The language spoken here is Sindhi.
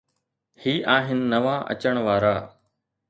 هي آهن نوان اچڻ وارا.